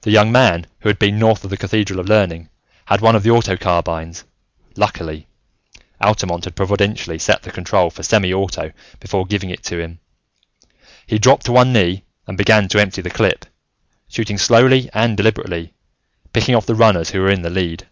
The young man who had been north of the Cathedral of Learning had one of the auto carbines; luckily, Altamont had providently set the control for semi auto before giving it to him. He dropped to one knee and began to empty the clip, shooting slowly and deliberately, picking off the runners who were in the lead.